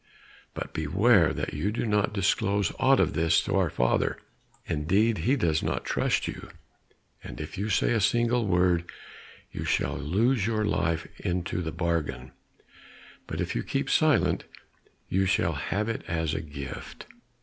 But beware that you do not disclose aught of this to our father; indeed he does not trust you, and if you say a single word, you shall lose your life into the bargain, but if you keep silent, you shall have it as a gift."